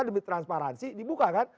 demi transparansi dibuka kan